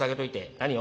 何を？